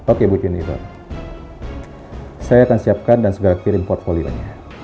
oke bu junior saya akan siapkan dan segera kirim portfolio nya